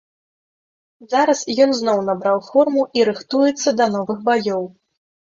Зараз ён зноў набраў форму і рыхтуецца да новых баёў.